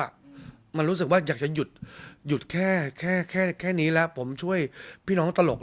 มันรู้สึกว่าอยากจะหยุดหยุดแค่แค่นี้แล้วผมช่วยพี่น้องตลก